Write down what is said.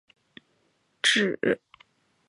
痢止蒿为唇形科筋骨草属下的一个种。